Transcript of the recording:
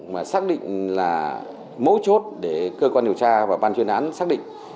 mà xác định là mấu chốt để cơ quan điều tra và ban chuyên án xác định